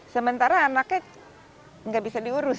sementara anaknya nggak bisa diurus